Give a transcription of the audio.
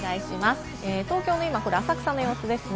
東京の、今これ、浅草の様子ですね。